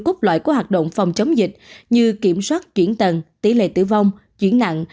cốt loại của hoạt động phòng chống dịch như kiểm soát chuyển tần tỷ lệ tử vong chuyển nặng